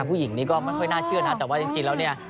ผู้หญิงนี้ก็ไม่ค่อยน่าเชื่อนะแต่ว่าจริงแล้วเนี่ย